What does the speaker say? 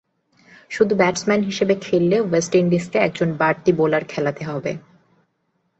শুধু ব্যাটসম্যান হিসেবে খেললে ওয়েস্ট ইন্ডিজকে একজন বাড়তি বোলার খেলাতে হবে।